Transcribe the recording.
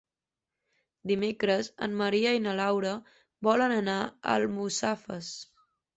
Dimecres en Maria i na Laura volen anar a Almussafes.